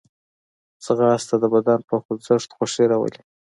ځغاسته د بدن په خوځښت خوښي راولي